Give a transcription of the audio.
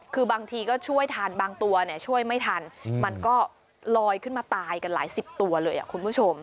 คือบางทีก็ช่วยทันบางตัวเนี่ยช่วยไม่ทันมันก็ลอยขึ้นมาตายกันหลายสิบตัวเลยคุณผู้ชม